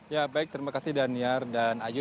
ya baik terima kasih daniar dan ayu